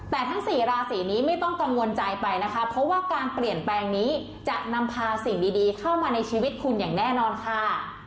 แต่ทั้งสี่ราศีนี้ไม่ต้องกังวลใจไปนะคะเพราะว่าการเปลี่ยนแปลงนี้จะนำพาสิ่งดีเข้ามาในชีวิตคุณอย่างแน่นอนค่ะ